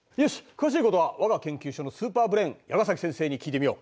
詳しいことは我が研究所のスーパーブレーン矢ケ先生に聞いてみよう。